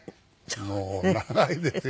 もう長いですよ